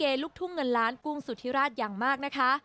ลูกทุ่งเงินล้านกุ้งสุธิราชอย่างมากนะคะ